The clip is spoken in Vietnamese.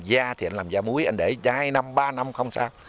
da thì anh làm da muối anh để hai năm ba năm không sao